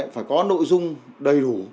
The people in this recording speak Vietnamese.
phải có nội dung đầy đủ